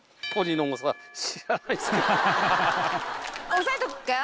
押さえとくか。